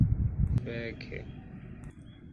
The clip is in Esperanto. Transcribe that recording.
feke